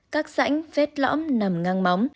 một các rãnh vết lõm nằm ngang móng